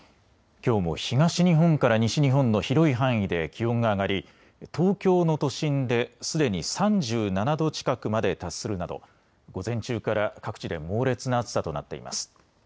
きょうも東日本から西日本の広い範囲で気温が上がり東京の都心ですでに３７度近くまで達するなど午前中から各地で猛烈な暑さとなっています。